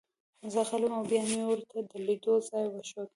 زه غلی وم او بیا مې ورته د لیدو ځای وښود